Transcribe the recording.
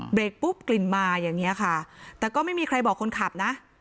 กปุ๊บกลิ่นมาอย่างเงี้ยค่ะแต่ก็ไม่มีใครบอกคนขับนะ